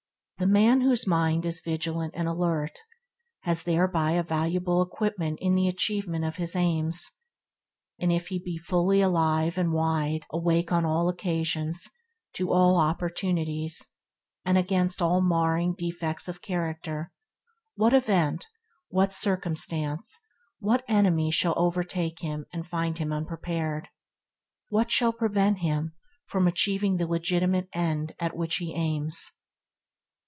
The man whose mind is vigilant and alert, has thereby a valuable equipment in the achievement of his aims; and if he be fully alive and wide awake on all occasions, to all opportunities, and against all marring defects of character, what event, what circumstance, what enemy shall overtake him and find him unprepared? What shall prevent him from achieving the legitimate and at which he aims?